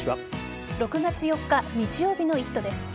６月４日日曜日の「イット！」です。